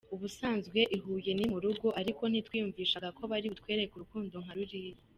Ubusanzwe i Huye ni mu rugo ariko ntitwiyumvishaga ko bari butwereke urukundo nka ruriya.